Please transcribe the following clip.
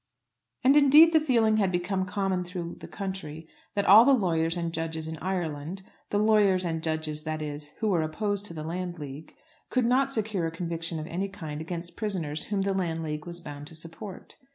And, indeed, the feeling had become common through the country that all the lawyers and judges in Ireland, the lawyers and judges that is who were opposed to the Landleague, could not secure a conviction of any kind against prisoners whom the Landleague was bound to support.